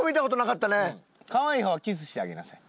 かわいい方にキスしてあげなさい。